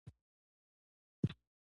په افغانستان کې بادام شتون لري.